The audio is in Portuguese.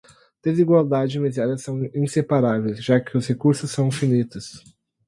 Desigualdade e miséria são inseparáveis, já que os recursos são finitos